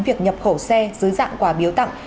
việc nhập khẩu xe dưới dạng quả biếu tặng